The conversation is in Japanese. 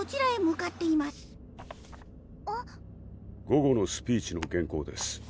午後のスピーチの原稿です